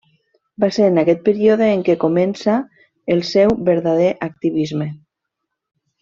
Va ser en aquest període en què comença el seu verdader activisme.